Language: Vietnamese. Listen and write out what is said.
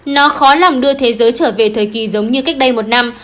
nó khó làm đưa thế giới trở về thời kỳ giống như cách đây một năm